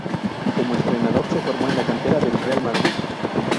Como entrenador se formó en la cantera del Real Madrid.